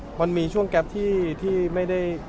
อเจมส์มันมีช่วงแก๊ปที่ไม่ได้